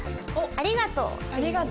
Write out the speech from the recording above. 「ありがとう」。